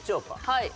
はい。